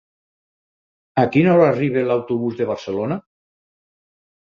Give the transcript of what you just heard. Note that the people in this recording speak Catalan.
A quina hora arriba l'autobús de Barcelona?